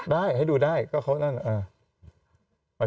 บอกแบบให้ดูก็ได้